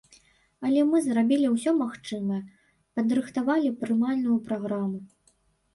Але мы зрабілі ўсё магчымае, падрыхтавалі прымальную праграму.